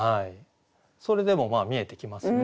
それでも見えてきますね。